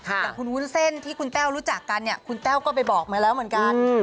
อย่างคุณวุ้นเส้นที่คุณแต้วรู้จักกันเนี่ยคุณแต้วก็ไปบอกมาแล้วเหมือนกัน